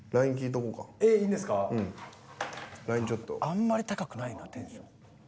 あんまり高くないなテンション。